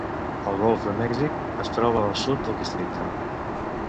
El golf de Mèxic es troba al sud del districte.